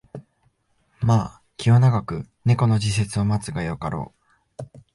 まあ気を永く猫の時節を待つがよかろう